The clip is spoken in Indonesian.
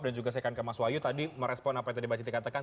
dan juga saya akan ke mas wayu tadi merespon apa yang tadi bacity katakan